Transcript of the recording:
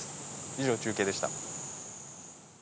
以上、中継でした。